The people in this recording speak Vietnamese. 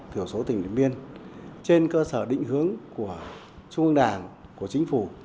thiểu số tỉnh điện biên trên cơ sở định hướng của trung ương đảng của chính phủ